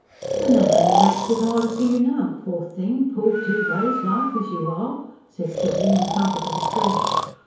"Then that only makes it harder for you now, poor thing, pulled two ways like, as you are," said Tilly, and trumpeted afresh.